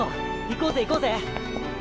行こうぜ行こうぜ。